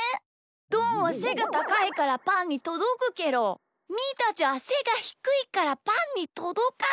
どんはせがたかいからパンにとどくけどみーたちはせがひくいからパンにとどかないんだ。